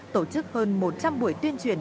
tổ chức hơn một trăm linh buổi tuyên truyền